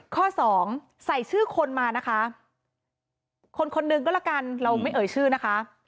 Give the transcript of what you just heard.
ข้อสองใส่ชื่อคนมานะคะคนคนหนึ่งก็ละกันเราไม่เอ่ยชื่อนะคะ